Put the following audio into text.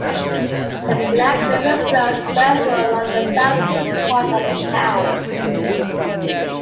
The Black River flows westward along the south part of the town.